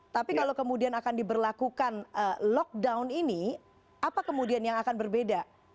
tapi kalau kemudian akan diberlakukan lockdown ini apa kemudian yang akan berbeda